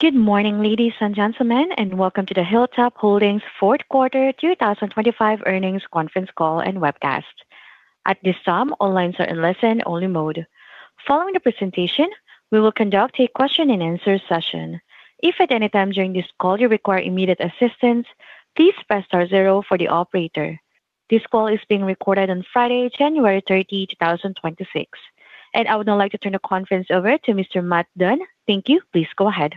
Good morning, ladies and gentlemen, and welcome to the Hilltop Holdings fourth quarter 2025 earnings conference call and webcast. At this time, all lines are in listen-only mode. Following the presentation, we will conduct a question-and-answer session. If at any time during this call you require immediate assistance, please press star zero for the operator. This call is being recorded on Friday, January 30, 2026. And I would now like to turn the conference over to Mr. Matt Dunn. Thank you. Please go ahead.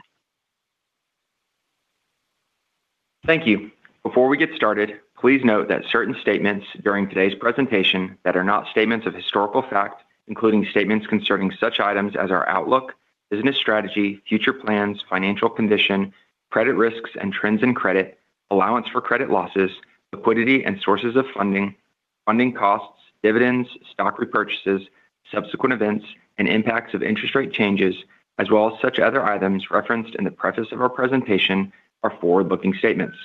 Thank you. Before we get started, please note that certain statements during today's presentation that are not statements of historical fact, including statements concerning such items as our outlook, business strategy, future plans, financial condition, credit risks and trends in credit, allowance for credit losses, liquidity and sources of funding, funding costs, dividends, stock repurchases, subsequent events, and impacts of interest rate changes, as well as such other items referenced in the preface of our presentation, are forward-looking statements.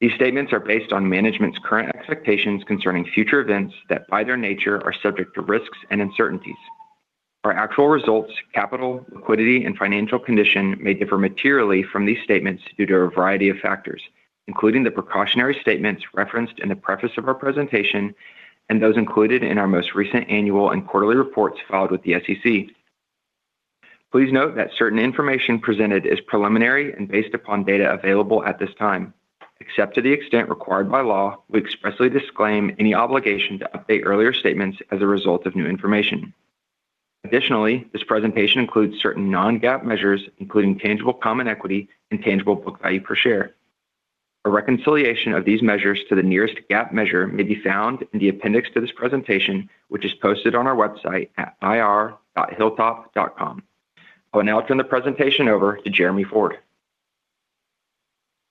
These statements are based on management's current expectations concerning future events that, by their nature, are subject to risks and uncertainties. Our actual results, capital, liquidity, and financial condition may differ materially from these statements due to a variety of factors, including the precautionary statements referenced in the preface of our presentation and those included in our most recent annual and quarterly reports filed with the SEC. Please note that certain information presented is preliminary and based upon data available at this time. Except to the extent required by law, we expressly disclaim any obligation to update earlier statements as a result of new information. Additionally, this presentation includes certain non-GAAP measures, including tangible common equity and tangible book value per share. A reconciliation of these measures to the nearest GAAP measure may be found in the appendix to this presentation, which is posted on our website at ir.hilltop.com. I will now turn the presentation over to Jeremy Ford.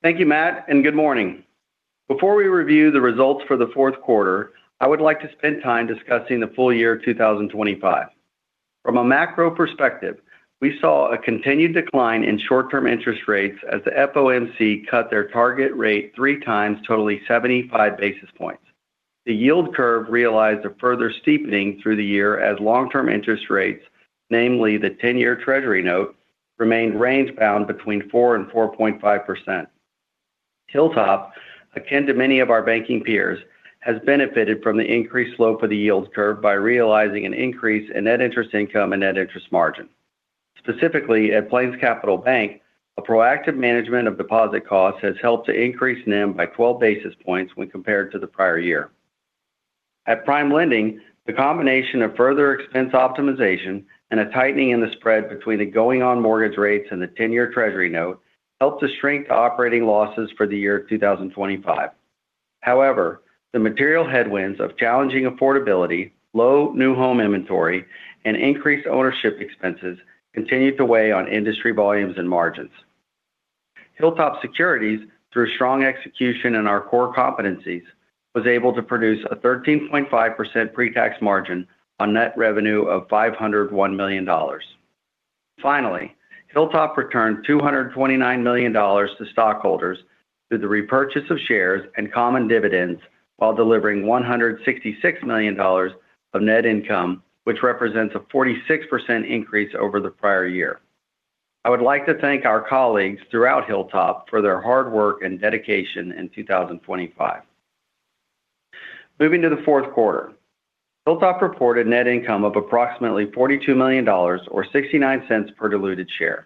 Thank you, Matt, and good morning. Before we review the results for the fourth quarter, I would like to spend time discussing the full year 2025. From a macro perspective, we saw a continued decline in short-term interest rates as the FOMC cut their target rate three times, totaling 75 basis points. The yield curve realized a further steepening through the year as long-term interest rates, namely the 10-year Treasury note, remained range-bound between 4%-4.5%. Hilltop, akin to many of our banking peers, has benefited from the increased slope of the yield curve by realizing an increase in net interest income and net interest margin. Specifically, at PlainsCapital Bank, a proactive management of deposit costs has helped to increase NIM by 12 basis points when compared to the prior year. At Prime Lending, the combination of further expense optimization and a tightening in the spread between the ongoing mortgage rates and the 10-year Treasury note helped to shrink operating losses for the year 2025. However, the material headwinds of challenging affordability, low new home inventory, and increased ownership expenses continued to weigh on industry volumes and margins. Hilltop Securities, through strong execution in our core competencies, was able to produce a 13.5% pre-tax margin on net revenue of $501 million. Finally, Hilltop returned $229 million to stockholders through the repurchase of shares and common dividends, while delivering $166 million of net income, which represents a 46% increase over the prior year. I would like to thank our colleagues throughout Hilltop for their hard work and dedication in 2025. Moving to the fourth quarter, Hilltop reported net income of approximately $42 million or $0.69 per diluted share.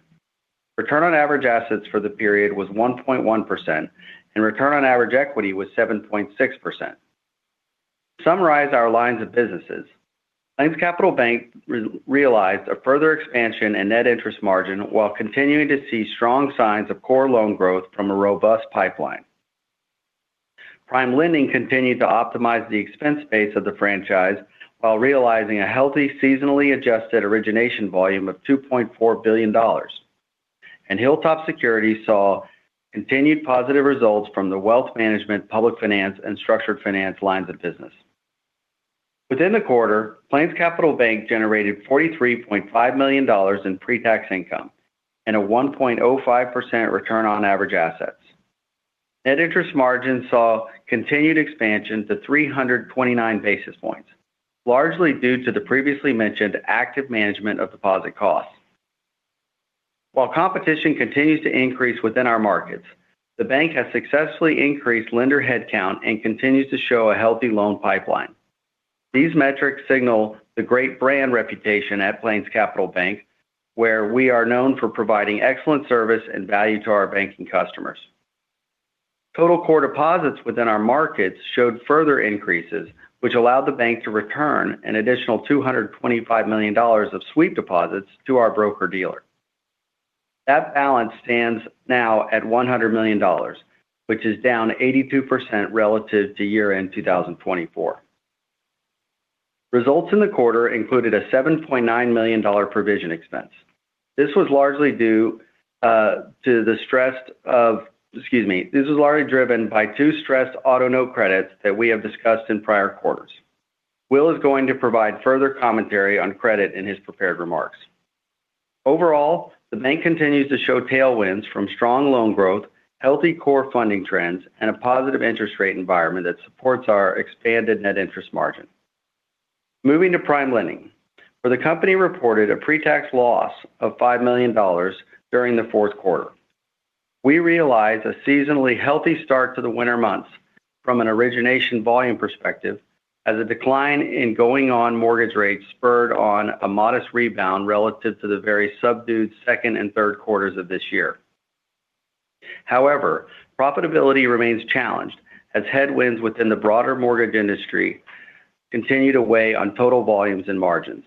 Return on average assets for the period was 1.1%, and return on average equity was 7.6%. To summarize our lines of businesses, PlainsCapital Bank realized a further expansion in net interest margin while continuing to see strong signs of core loan growth from a robust pipeline. PrimeLending continued to optimize the expense base of the franchise while realizing a healthy, seasonally adjusted origination volume of $2.4 billion. Hilltop Securities saw continued positive results from the wealth management, public finance, and structured finance lines of business. Within the quarter, PlainsCapital Bank generated $43.5 million in pre-tax income and a 1.05% return on average assets. Net interest margin saw continued expansion to 329 basis points, largely due to the previously mentioned active management of deposit costs. While competition continues to increase within our markets, the bank has successfully increased lender headcount and continues to show a healthy loan pipeline. These metrics signal the great brand reputation at PlainsCapital Bank, where we are known for providing excellent service and value to our banking customers. Total core deposits within our markets showed further increases, which allowed the bank to return an additional $225 million of sweep deposits to our broker-dealer. That balance stands now at $100 million, which is down 82% relative to year-end 2024. Results in the quarter included a $7.9 million provision expense. This was largely due. This was largely driven by two stressed auto note credits that we have discussed in prior quarters. Will is going to provide further commentary on credit in his prepared remarks. Overall, the bank continues to show tailwinds from strong loan growth, healthy core funding trends, and a positive interest rate environment that supports our expanded net interest margin. Moving to PrimeLending, where the company reported a pre-tax loss of $5 million during the fourth quarter. We realized a seasonally healthy start to the winter months from an origination volume perspective, as a decline in ongoing mortgage rates spurred on a modest rebound relative to the very subdued second and third quarters of this year. However, profitability remains challenged as headwinds within the broader mortgage industry continue to weigh on total volumes and margins.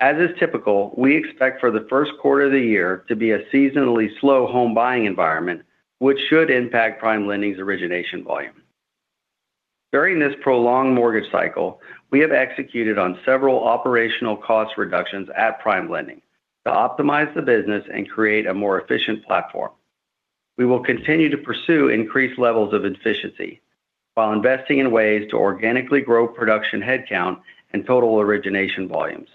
As is typical, we expect for the first quarter of the year to be a seasonally slow home buying environment, which should impact PrimeLending's origination volume. During this prolonged mortgage cycle, we have executed on several operational cost reductions at PrimeLending to optimize the business and create a more efficient platform. We will continue to pursue increased levels of efficiency while investing in ways to organically grow production headcount and total origination volumes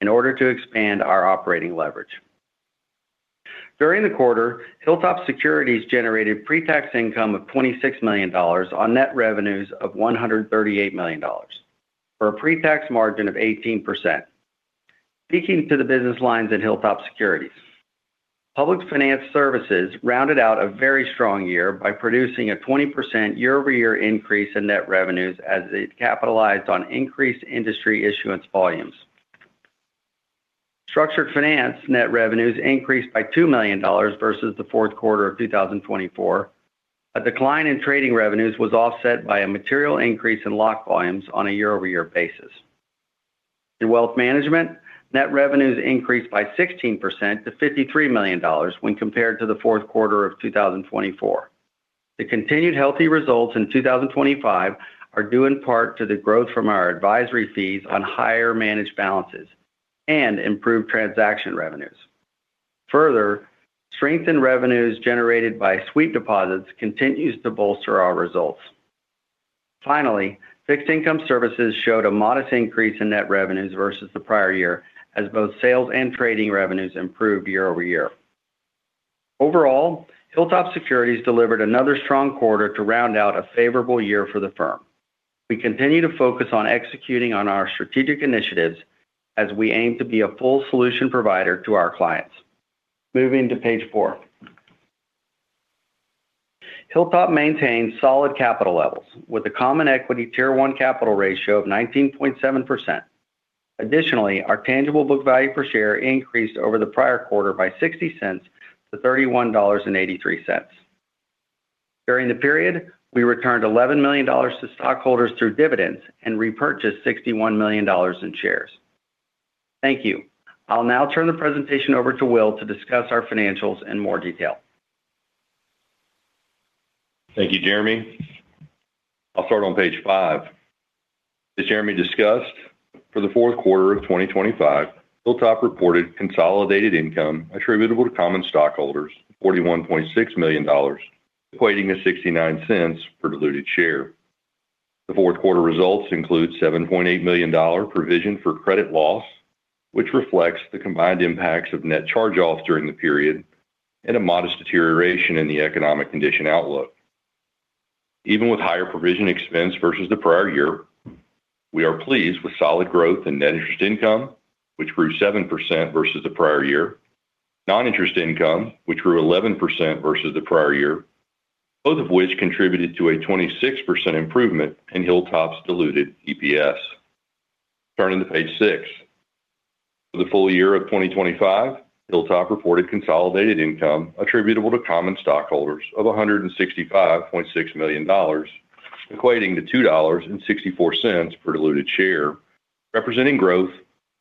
in order to expand our operating leverage. During the quarter, Hilltop Securities generated pretax income of $26 million on net revenues of $138 million, for a pretax margin of 18%. Speaking to the business lines in Hilltop Securities, public finance services rounded out a very strong year by producing a 20% year-over-year increase in net revenues as it capitalized on increased industry issuance volumes. Structured finance net revenues increased by $2 million versus the fourth quarter of 2024. A decline in trading revenues was offset by a material increase in lock volumes on a year-over-year basis. In wealth management, net revenues increased by 16% to $53 million when compared to the fourth quarter of 2024. The continued healthy results in 2025 are due in part to the growth from our advisory fees on higher managed balances and improved transaction revenues. Further, strengthened revenues generated by sweep deposits continues to bolster our results. Finally, fixed income services showed a modest increase in net revenues versus the prior year, as both sales and trading revenues improved year-over-year. Overall, Hilltop Securities delivered another strong quarter to round out a favorable year for the firm. We continue to focus on executing on our strategic initiatives as we aim to be a full solution provider to our clients. Moving to page 4. Hilltop maintains solid capital levels with a Common Equity Tier 1 capital ratio of 19.7%. Additionally, our tangible book value per share increased over the prior quarter by $0.60 to $31.83. During the period, we returned $11 million to stockholders through dividends and repurchased $61 million in shares. Thank you. I'll now turn the presentation over to Will to discuss our financials in more detail. Thank you, Jeremy. I'll start on page 5. As Jeremy discussed, for the fourth quarter of 2025, Hilltop reported consolidated income attributable to common stockholders, $41.6 million, equating to $0.69 per diluted share. The fourth quarter results include $7.8 million provision for credit loss, which reflects the combined impacts of net charge-offs during the period and a modest deterioration in the economic condition outlook. Even with higher provision expense versus the prior year, we are pleased with solid growth in net interest income, which grew 7% versus the prior year. Non-interest income, which grew 11% versus the prior year, both of which contributed to a 26% improvement in Hilltop's diluted EPS. Turning to page 6. For the full year of 2025, Hilltop reported consolidated income attributable to common stockholders of $165.6 million, equating to $2.64 per diluted share, representing growth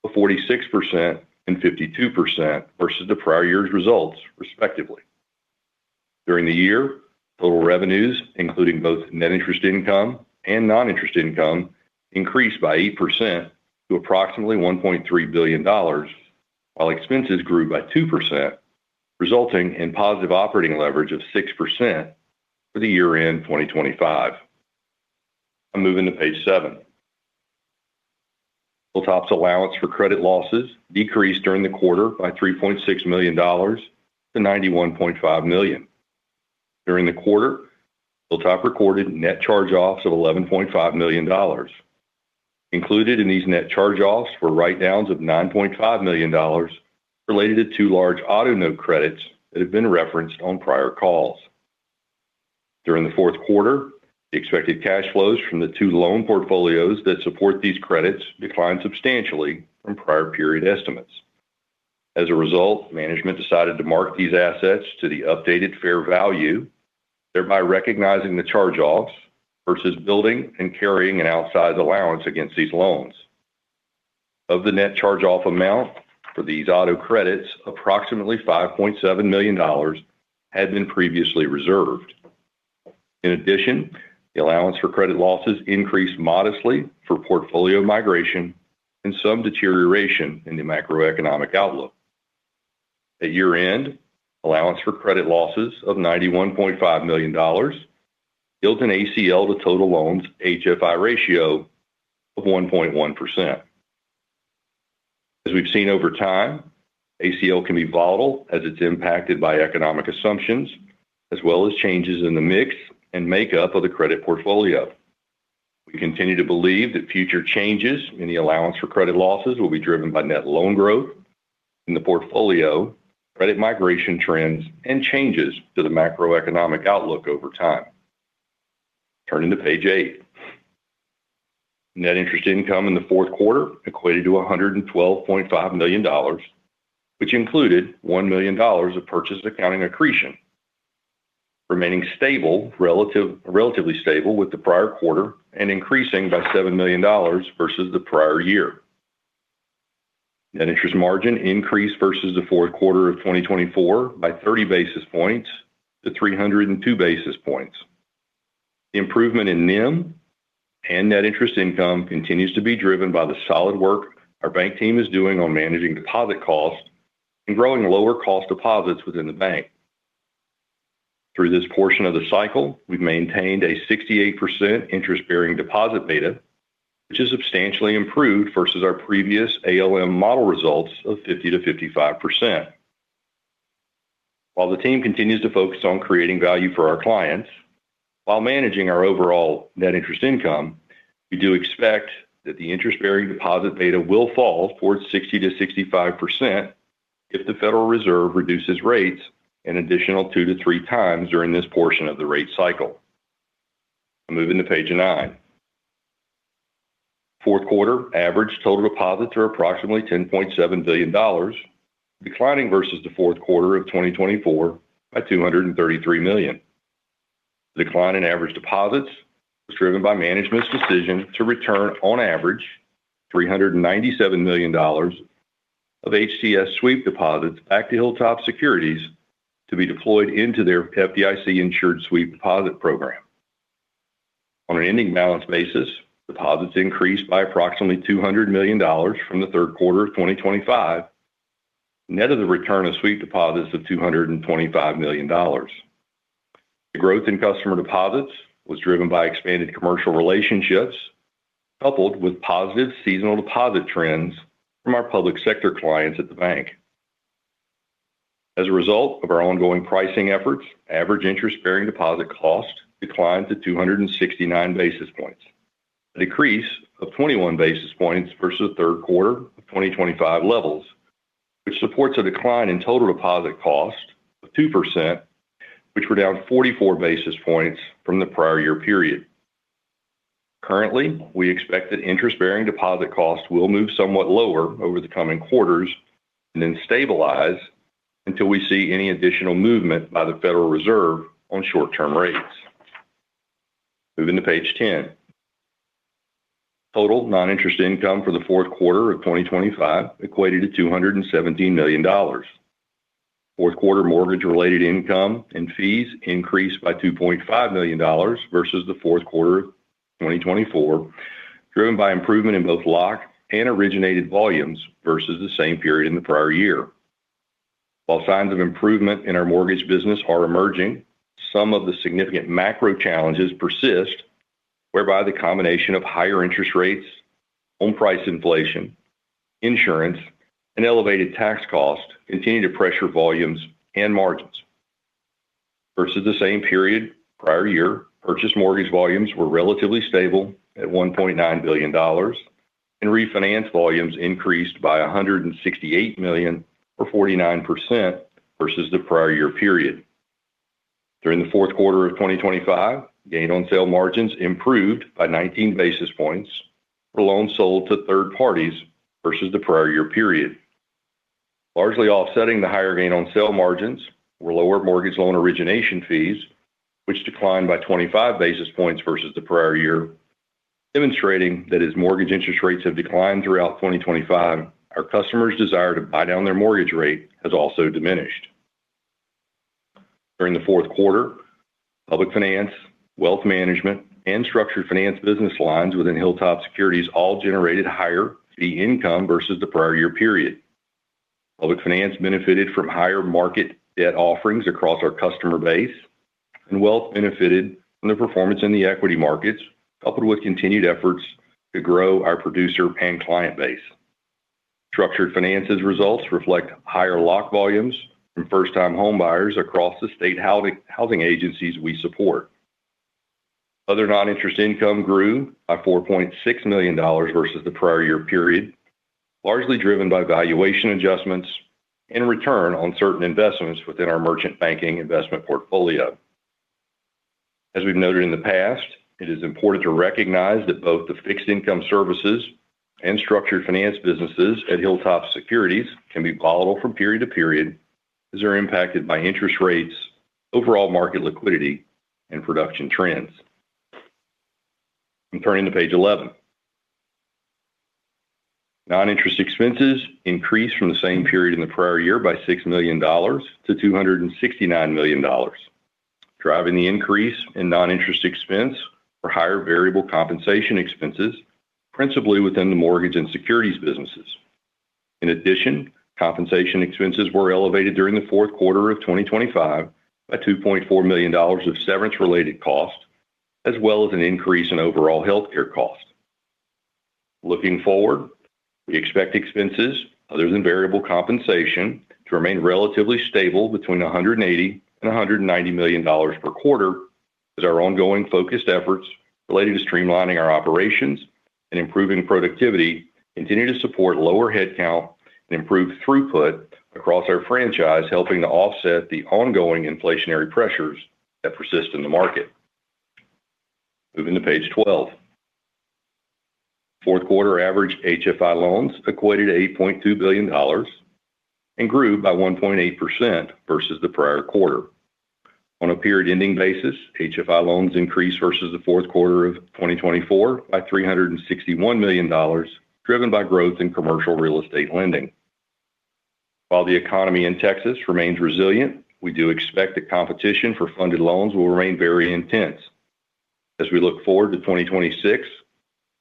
of 46% and 52% versus the prior year's results, respectively. During the year, total revenues, including both net interest income and non-interest income, increased by 8% to approximately $1.3 billion, while expenses grew by 2%, resulting in positive operating leverage of 6% for the year-end 2025. I'm moving to page seven. Hilltop's allowance for credit losses decreased during the quarter by $3.6 million to $91.5 million. During the quarter, Hilltop recorded net charge-offs of $11.5 million. Included in these net charge-offs were write-downs of $9.5 million related to two large auto note credits that have been referenced on prior calls. During the fourth quarter, the expected cash flows from the two loan portfolios that support these credits declined substantially from prior period estimates. As a result, management decided to mark these assets to the updated fair value, thereby recognizing the charge-offs versus building and carrying an outsized allowance against these loans. Of the net charge-off amount for these auto credits, approximately $5.7 million had been previously reserved. In addition, the allowance for credit losses increased modestly for portfolio migration and some deterioration in the macroeconomic outlook. At year-end, allowance for credit losses of $91.5 million yields an ACL to total loans HFI ratio of 1.1%.... As we've seen over time, ACL can be volatile as it's impacted by economic assumptions, as well as changes in the mix and makeup of the credit portfolio. We continue to believe that future changes in the allowance for credit losses will be driven by net loan growth in the portfolio, credit migration trends, and changes to the macroeconomic outlook over time. Turning to page 8. Net interest income in the fourth quarter equated to $112.5 million, which included $1 million of purchase accounting accretion, remaining relatively stable with the prior quarter and increasing by $7 million versus the prior year. Net interest margin increased versus the fourth quarter of 2024 by 30 basis points to 302 basis points. The improvement in NIM and net interest income continues to be driven by the solid work our bank team is doing on managing deposit costs and growing lower cost deposits within the bank. Through this portion of the cycle, we've maintained a 68% interest-bearing deposit beta, which is substantially improved versus our previous ALM model results of 50%-55%. While the team continues to focus on creating value for our clients while managing our overall net interest income, we do expect that the interest-bearing deposit beta will fall towards 60%-65% if the Federal Reserve reduces rates an additional two to three times during this portion of the rate cycle. Moving to page nine. Fourth quarter average total deposits are approximately $10.7 billion, declining versus the fourth quarter of 2024 by $233 million. Decline in average deposits was driven by management's decision to return, on average, $397 million of HTS sweep deposits back to Hilltop Securities to be deployed into their FDIC-insured sweep deposit program. On an ending balance basis, deposits increased by approximately $200 million from the third quarter of 2025, net of the return of sweep deposits of $225 million. The growth in customer deposits was driven by expanded commercial relationships, coupled with positive seasonal deposit trends from our public sector clients at the bank. As a result of our ongoing pricing efforts, average interest-bearing deposit cost declined to 269 basis points. A decrease of 21 basis points versus the third quarter of 2025 levels, which supports a decline in total deposit cost of 2%, which were down 44 basis points from the prior year period. Currently, we expect that interest-bearing deposit costs will move somewhat lower over the coming quarters and then stabilize until we see any additional movement by the Federal Reserve on short-term rates. Moving to page 10. Total non-interest income for the fourth quarter of 2025 equated to $217 million. Fourth quarter mortgage-related income and fees increased by $2.5 million versus the fourth quarter of 2024, driven by improvement in both lock and originated volumes versus the same period in the prior year. While signs of improvement in our mortgage business are emerging, some of the significant macro challenges persist, whereby the combination of higher interest rates, home price inflation, insurance, and elevated tax costs continue to pressure volumes and margins. Versus the same period prior year, purchase mortgage volumes were relatively stable at $1.9 billion, and refinance volumes increased by $168 million, or 49%, versus the prior year period. During the fourth quarter of 2025, gain on sale margins improved by 19 basis points for loans sold to third parties versus the prior year period. Largely offsetting the higher gain on sale margins were lower mortgage loan origination fees, which declined by 25 basis points versus the prior year, demonstrating that as mortgage interest rates have declined throughout 2025, our customers' desire to buy down their mortgage rate has also diminished. During the fourth quarter, public finance, wealth management, and structured finance business lines within Hilltop Securities all generated higher fee income versus the prior year period. Public finance benefited from higher market debt offerings across our customer base, and wealth management benefited from the performance in the equity markets, coupled with continued efforts to grow our producer and client base. Structured finance's results reflect higher lock volumes from first-time home buyers across the state housing, housing agencies we support. Other non-interest income grew by $4.6 million versus the prior year period, largely driven by valuation adjustments and return on certain investments within our merchant banking investment portfolio. As we've noted in the past, it is important to recognize that both the fixed income services and structured finance businesses at Hilltop Securities can be volatile from period to period, as they're impacted by interest rates, overall market liquidity, and production trends. I'm turning to page 11. Non-interest expenses increased from the same period in the prior year by $6 million to $269 million, driving the increase in non-interest expense for higher variable compensation expenses, principally within the mortgage and securities businesses. In addition, compensation expenses were elevated during the fourth quarter of 2025 by $2.4 million of severance-related costs... as well as an increase in overall healthcare costs. Looking forward, we expect expenses other than variable compensation to remain relatively stable between $180 million and $190 million per quarter, as our ongoing focused efforts related to streamlining our operations and improving productivity continue to support lower headcount and improve throughput across our franchise, helping to offset the ongoing inflationary pressures that persist in the market. Moving to page 12. Fourth quarter average HFI loans equated to $8.2 billion and grew by 1.8% versus the prior quarter. On a period-ending basis, HFI loans increased versus the fourth quarter of 2024 by $361 million, driven by growth in commercial real estate lending. While the economy in Texas remains resilient, we do expect the competition for funded loans will remain very intense. As we look forward to 2026,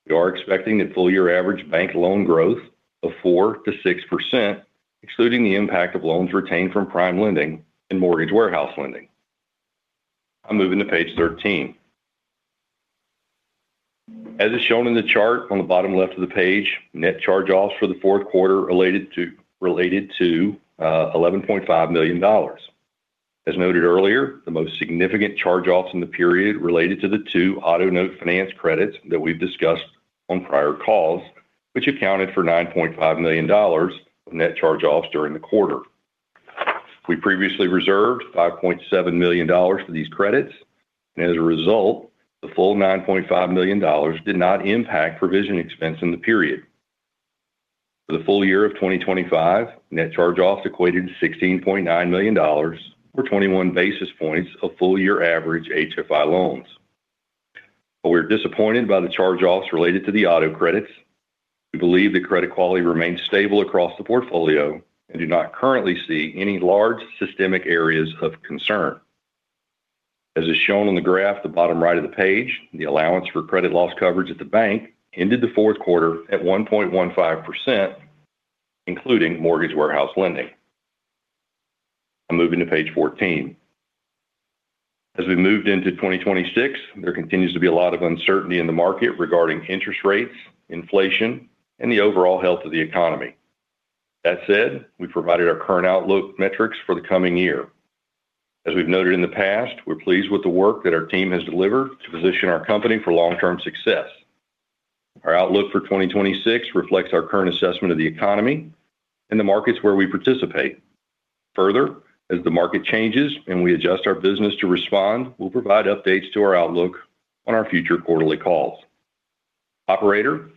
we are expecting that full year average bank loan growth of 4%-6%, excluding the impact of loans retained from PrimeLending and Mortgage Warehouse Lending. I'm moving to page 13. As is shown in the chart on the bottom left of the page, net charge-offs for the fourth quarter related to $11.5 million. As noted earlier, the most significant charge-offs in the period related to the two auto note finance credits that we've discussed on prior calls, which accounted for $9.5 million of net charge-offs during the quarter. We previously reserved $5.7 million for these credits, and as a result, the full $9.5 million did not impact provision expense in the period. For the full year of 2025, net charge-offs equated to $16.9 million, or 21 basis points of full year average HFI loans. While we're disappointed by the charge-offs related to the auto credits, we believe the credit quality remains stable across the portfolio and do not currently see any large systemic areas of concern. As is shown on the graph at the bottom right of the page, the allowance for credit loss coverage at the bank ended the fourth quarter at 1.15%, including mortgage warehouse lending. I'm moving to page 14. As we moved into 2026, there continues to be a lot of uncertainty in the market regarding interest rates, inflation, and the overall health of the economy. That said, we provided our current outlook metrics for the coming year. As we've noted in the past, we're pleased with the work that our team has delivered to position our company for long-term success. Our outlook for 2026 reflects our current assessment of the economy and the markets where we participate. Further, as the market changes and we adjust our business to respond, we'll provide updates to our outlook on our future quarterly calls. Operator,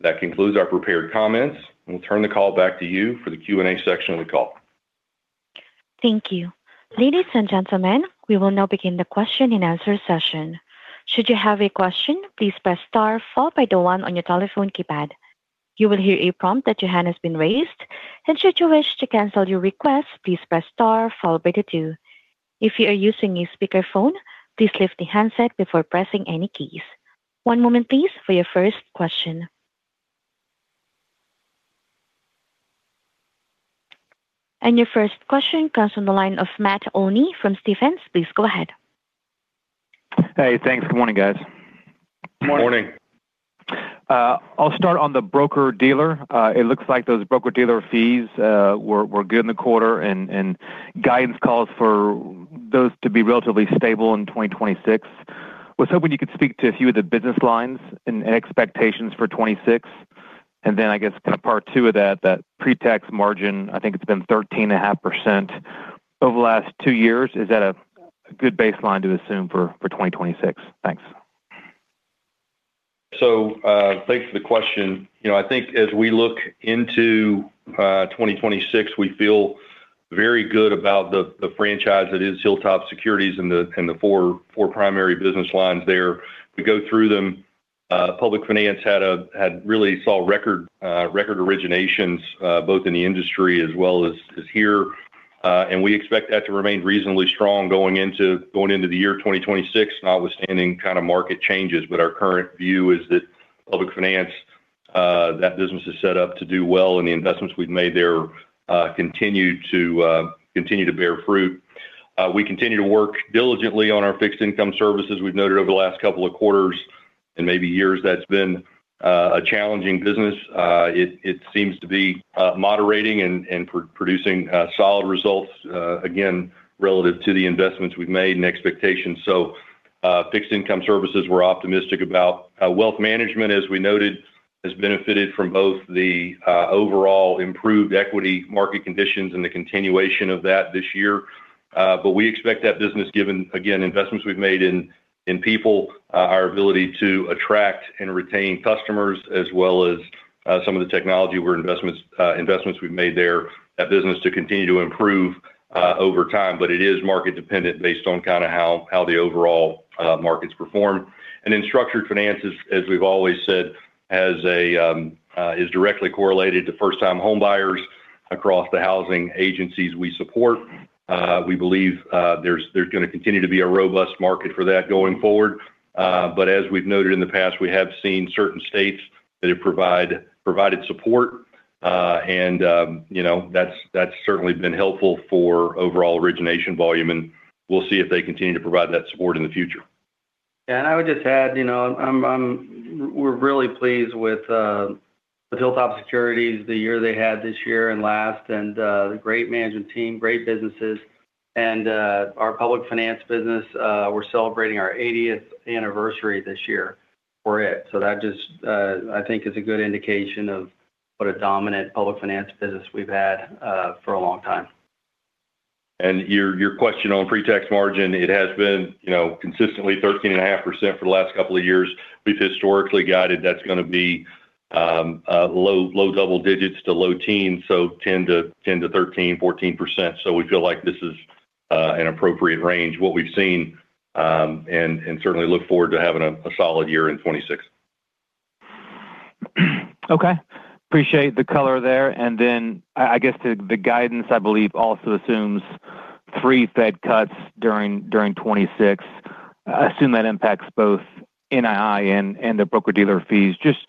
that concludes our prepared comments, and we'll turn the call back to you for the Q&A section of the call. Thank you. Ladies and gentlemen, we will now begin the question and answer session. Should you have a question, please press star followed by the one on your telephone keypad. You will hear a prompt that your hand has been raised, and should you wish to cancel your request, please press star followed by the two. If you are using a speakerphone, please lift the handset before pressing any keys. One moment please, for your first question. Your first question comes from the line of Matt Olney from Stephens. Please go ahead. Hey, thanks. Good morning, guys. Good morning. Good morning. I'll start on the broker-dealer. It looks like those broker-dealer fees were good in the quarter and guidance calls for those to be relatively stable in 2026. I was hoping you could speak to a few of the business lines and expectations for 2026. And then I guess kind of part two of that, that pre-tax margin, I think it's been 13.5% over the last two years. Is that a good baseline to assume for 2026? Thanks. So, thanks for the question. You know, I think as we look into 2026, we feel very good about the franchise that is Hilltop Securities and the four primary business lines there. To go through them, public finance had really saw record originations both in the industry as well as here, and we expect that to remain reasonably strong going into the year 2026, notwithstanding kind of market changes. But our current view is that public finance, that business is set up to do well, and the investments we've made there continue to bear fruit. We continue to work diligently on our fixed income services. We've noted over the last couple of quarters and maybe years, that's been a challenging business. It seems to be moderating and producing solid results, again, relative to the investments we've made and expectations. So, fixed income services, we're optimistic about. Wealth management, as we noted, has benefited from both the overall improved equity market conditions and the continuation of that this year. But we expect that business, given, again, investments we've made in people, our ability to attract and retain customers, as well as, some of the technology where investments we've made there, that business to continue to improve, over time. But it is market dependent based on kind of how the overall markets perform. And in structured finance, as we've always said, is directly correlated to first-time homebuyers across the housing agencies we support. We believe there's gonna continue to be a robust market for that going forward. But as we've noted in the past, we have seen certain states that have provided support, and, you know, that's certainly been helpful for overall origination volume, and we'll see if they continue to provide that support in the future. Yeah, and I would just add, you know, we're really pleased with the Hilltop Securities, the year they had this year and last, and the great management team, great businesses. And our public finance business, we're celebrating our eightieth anniversary this year for it. So that just, I think is a good indication of what a dominant public finance business we've had for a long time. Your question on pre-tax margin, it has been, you know, consistently 13.5% for the last couple of years. We've historically guided, that's gonna be low double digits to low teens, so 10%-14%. So we feel like this is an appropriate range, what we've seen, and certainly look forward to having a solid year in 2026. Okay, appreciate the color there. And then I guess the guidance, I believe, also assumes 3 Fed cuts during 2026. I assume that impacts both NII and the broker-dealer fees. Just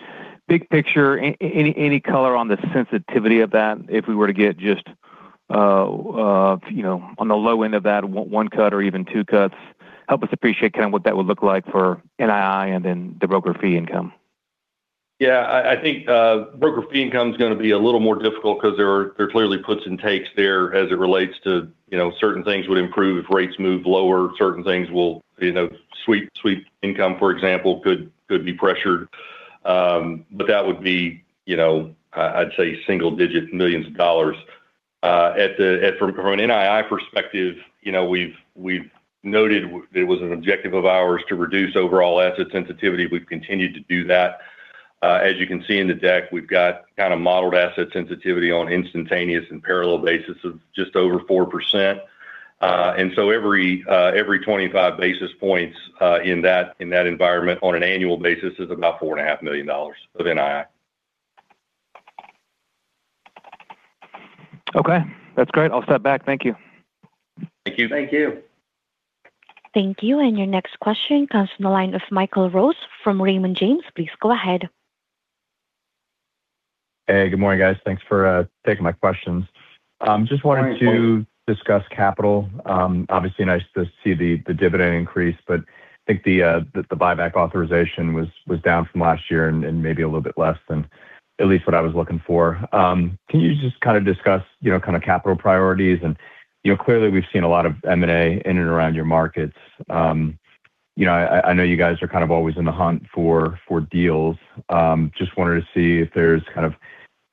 big picture, any color on the sensitivity of that, if we were to get just, you know, on the low end of that, one cut or even two cuts? Help us appreciate kind of what that would look like for NII and then the broker fee income. Yeah, I think broker fee income is gonna be a little more difficult because there are clearly puts and takes there as it relates to, you know, certain things would improve if rates move lower, certain things will, you know, sweep income, for example, could be pressured. But that would be, you know, I'd say single-digit millions dollars. From an NII perspective, you know, we've noted it was an objective of ours to reduce overall asset sensitivity. We've continued to do that. As you can see in the deck, we've got kind of modeled asset sensitivity on instantaneous and parallel basis of just over 4%. And so every 25 basis points in that environment on an annual basis is about $4.5 million of NII. Okay, that's great. I'll step back. Thank you. Thank you. Thank you. Thank you. And your next question comes from the line of Michael Rose from Raymond James. Please go ahead. Hey, good morning, guys. Thanks for taking my questions. Just wanted to- Good morning... discuss capital. Obviously, nice to see the dividend increase, but I think the buyback authorization was down from last year and maybe a little bit less than at least what I was looking for. Can you just kind of discuss, you know, kind of capital priorities? You know, clearly we've seen a lot of M&A in and around your markets. You know, I know you guys are kind of always in the hunt for deals. Just wanted to see if there's kind of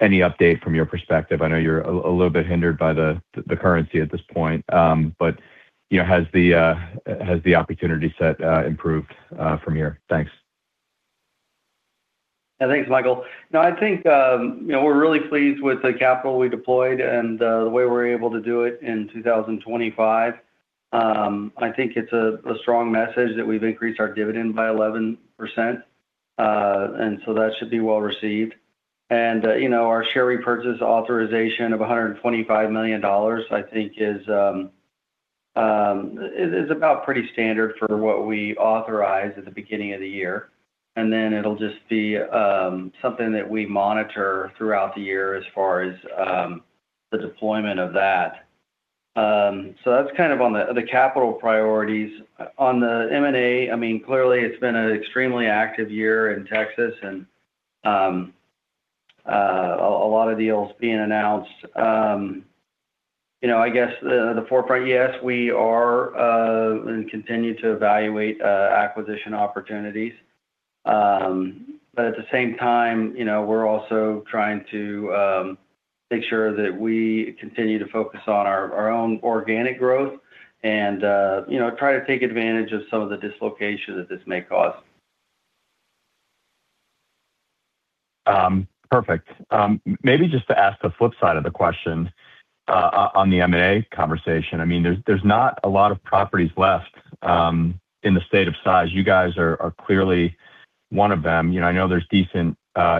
any update from your perspective. I know you're a little bit hindered by the currency at this point, but you know, has the opportunity set improved from here? Thanks. Yeah. Thanks, Michael. No, I think, you know, we're really pleased with the capital we deployed and, the way we're able to do it in 2025. I think it's a strong message that we've increased our dividend by 11%, and so that should be well received. And, you know, our share repurchase authorization of $125 million, I think is about pretty standard for what we authorized at the beginning of the year. And then it'll just be, something that we monitor throughout the year as far as, the deployment of that. So that's kind of on the capital priorities. On the M&A, I mean, clearly, it's been an extremely active year in Texas and, a lot of deals being announced. You know, I guess the forefront, yes, we are and continue to evaluate acquisition opportunities. But at the same time, you know, we're also trying to make sure that we continue to focus on our own organic growth and, you know, try to take advantage of some of the dislocation that this may cause. Perfect. Maybe just to ask the flip side of the question, on the M&A conversation. I mean, there's not a lot of properties left in the state of size. You guys are clearly one of them. You know, I know there's decent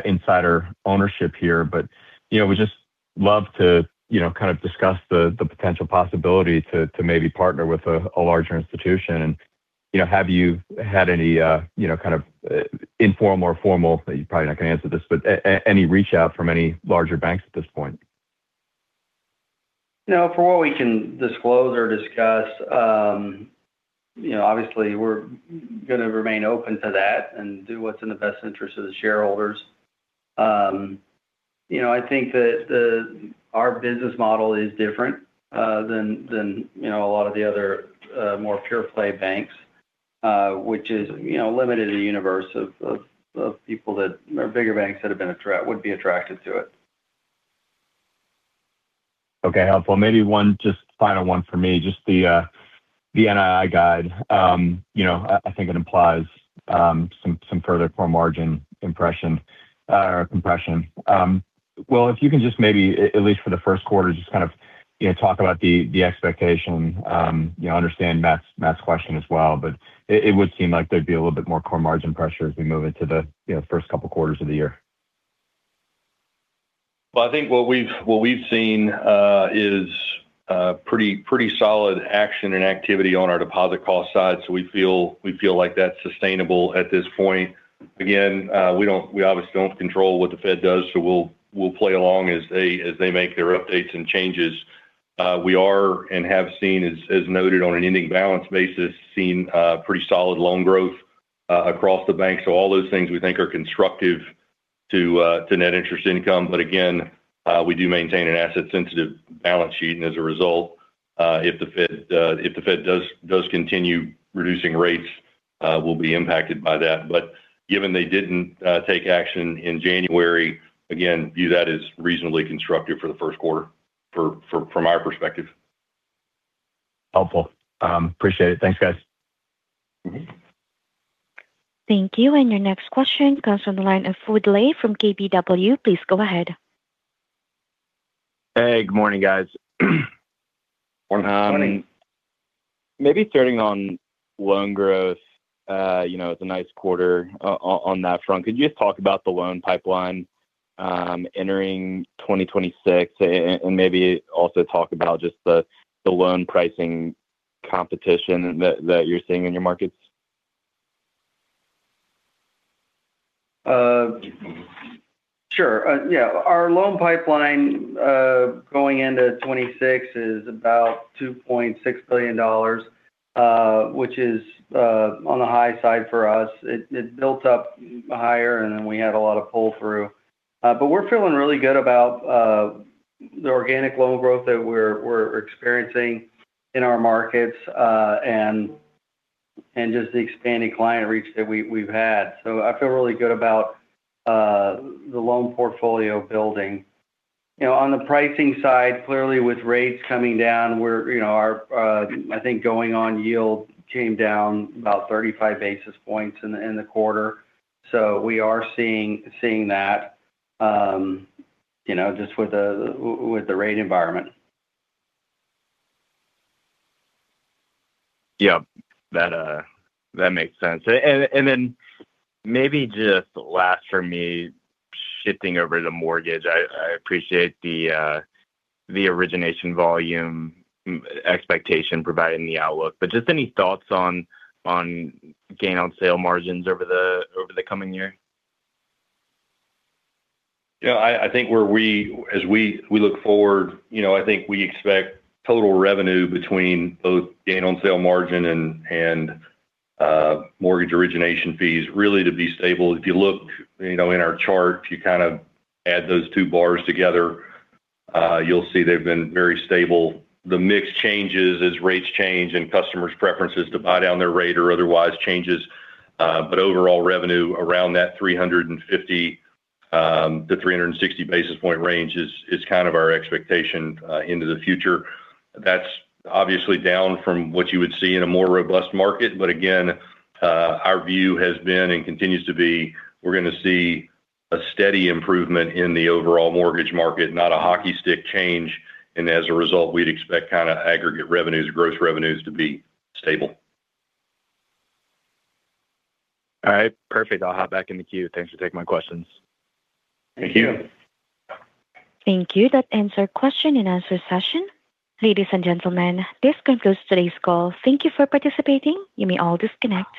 insider ownership here, but you know, we just love to you know, kind of discuss the potential possibility to maybe partner with a larger institution. And you know, have you had any you know, kind of informal or formal, you're probably not going to answer this, but any reach out from any larger banks at this point? You know, for what we can disclose or discuss, you know, obviously, we're gonna remain open to that and do what's in the best interest of the shareholders. You know, I think that our business model is different than you know, a lot of the other more pure play banks, which is, you know, limited the universe of people that are bigger banks that would be attracted to it. Okay, helpful. Maybe one, just final one for me, just the NII guide. You know, I think it implies some further core margin compression. Well, if you can just maybe, at least for the first quarter, just kind of, you know, talk about the expectation. You know, I understand Matt's question as well, but it would seem like there'd be a little bit more core margin pressure as we move into the first couple quarters of the year. Well, I think what we've seen is pretty solid action and activity on our deposit cost side, so we feel like that's sustainable at this point. Again, we obviously don't control what the Fed does, so we'll play along as they make their updates and changes. We are and have seen, as noted on an ending balance basis, seen pretty solid loan growth across the bank. So all those things we think are constructive to net interest income. But again, we do maintain an asset-sensitive balance sheet, and as a result, if the Fed does continue reducing rates, we'll be impacted by that. But given they didn't take action in January, again, view that as reasonably constructive for the first quarter from our perspective. Helpful. Appreciate it. Thanks, guys. Thank you. And your next question comes from the line of Woody Lay from KBW. Please go ahead. Hey, good morning, guys. Morning. Maybe starting on loan growth, you know, it's a nice quarter on that front. Could you just talk about the loan pipeline entering 2026, and maybe also talk about just the loan pricing competition that you're seeing in your markets? Sure. Yeah, our loan pipeline going into 2026 is about $2.6 billion, which is on the high side for us. It built up higher, and then we had a lot of pull-through. But we're feeling really good about the organic loan growth that we're experiencing in our markets, and just the expanding client reach that we've had. So I feel really good about the loan portfolio building. You know, on the pricing side, clearly with rates coming down, we're, you know, our I think going-in yield came down about 35 basis points in the quarter. So we are seeing that, you know, just with the rate environment. Yeah, that makes sense. And then maybe just last for me, shifting over to mortgage, I appreciate the origination volume expectation provided in the outlook. But just any thoughts on gain on sale margins over the coming year? Yeah, I think as we look forward, you know, I think we expect total revenue between both gain on sale margin and mortgage origination fees really to be stable. If you look, you know, in our chart, if you kind of add those two bars together, you'll see they've been very stable. The mix changes as rates change and customers' preferences to buy down their rate or otherwise changes, but overall revenue around that 350-360 basis point range is kind of our expectation into the future. That's obviously down from what you would see in a more robust market. But again, our view has been and continues to be, we're gonna see a steady improvement in the overall mortgage market, not a hockey stick change, and as a result, we'd expect kind of aggregate revenues, gross revenues to be stable. All right. Perfect. I'll hop back in the queue. Thanks for taking my questions. Thank you. Thank you. That ends our question and answer session. Ladies and gentlemen, this concludes today's call. Thank you for participating. You may all disconnect.